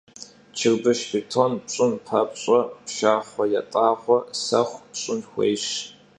Çırbışş, bêton ş'ın papş'e pşşaxhue, yat'ağue, sexu, psı xuêyş.